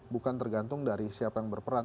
bukan tergantung dari siapa yang berperan